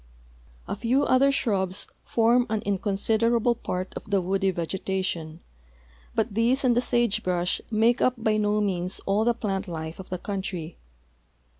V few other shrubs form an inconsiderable part of the woody vegetation, but these and the sage brush make up by no means all the plant life of the country.